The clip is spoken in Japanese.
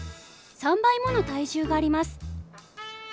３倍もの体重があります。